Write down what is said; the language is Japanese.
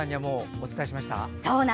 お伝えしました。